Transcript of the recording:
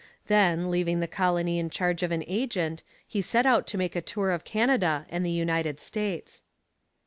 Then, leaving the colony in charge of an agent, he set out to make a tour of Canada and the United States.